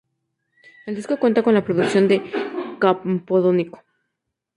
El disco cuenta con la producción de Campodónico.